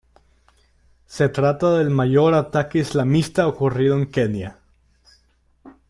Se trata del mayor ataque islamista ocurrido en Kenia.